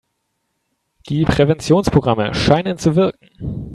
Die Präventionsprogramme scheinen zu wirken.